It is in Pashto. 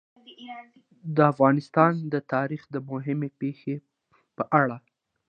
د افغانستان د تاریخ د مهمې پېښې په اړه.